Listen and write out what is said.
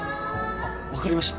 あ分かりました。